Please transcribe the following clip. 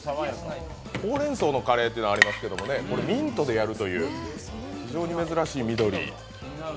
ほうれんそうのカレーというのはありますけどこれ、ミントでやるという非常に珍しい緑。